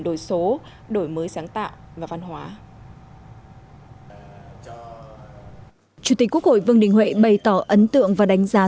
đổi số đổi mới sáng tạo và văn hóa chủ tịch quốc hội vương đình huệ bày tỏ ấn tượng và đánh giá